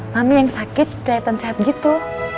kami yang sakit kelihatan sehat gitu